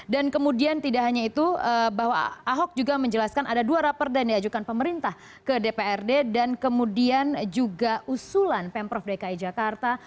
dan kemudian tidak hanya itu bahwa ahok juga menjelaskan ada dua raper dan diajukan pemerintah ke dprd dan kemudian juga usulan pemprov dki jakarta